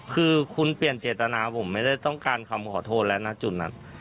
คือคุณเปลี่ยนเจตนาผมไม่ได้ต้องการคำขอโทษแล้วนะจุดนั้น